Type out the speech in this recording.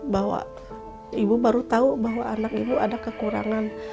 bahwa ibu baru tahu bahwa anak ibu ada kekurangan